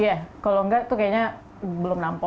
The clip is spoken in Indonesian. iya kalau nggak tuh kayaknya belum nampol